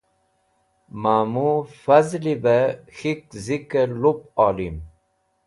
mamu fazli b k̃hik zik'ey lup olim